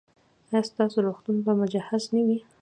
ایا ستاسو روغتون به مجهز نه وي؟